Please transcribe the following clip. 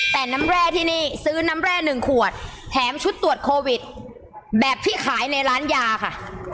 แต่น้ำแร่ที่นี่ซื้อน้ำแร่๑ขวดแถมชุดตรวจโควิดแบบที่ขายในร้านยาค่ะ